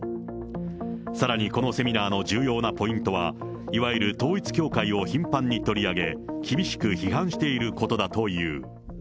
さらに、このセミナーの重要なポイントは、いわゆる統一教会を頻繁に取り上げ、厳しく批判していることだという。